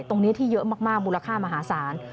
ตรงนี้ที่เยอะมากมูลค่ามหาศาล